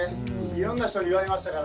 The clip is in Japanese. いろんな人に言われましたから。